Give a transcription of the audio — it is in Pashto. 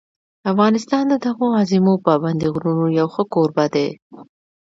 افغانستان د دغو عظیمو پابندي غرونو یو ښه کوربه دی.